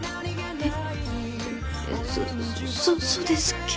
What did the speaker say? えっ？